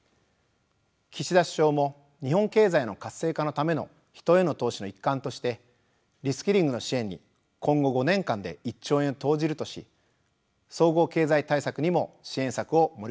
岸田首相も日本経済の活性化のための人への投資の一環としてリスキリングの支援に今後５年間で１兆円を投じるとし総合経済対策にも支援策を盛り込みました。